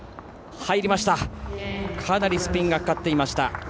入りました、かなりスピンがかかっていました。